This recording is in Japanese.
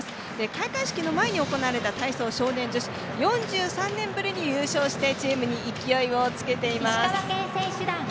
開会式の前に行われた競技では３４年ぶりに優勝してチームに勢いをつけています。